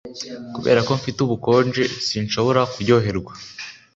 Kubera ko mfite ubukonje sinshobora kuryoherwa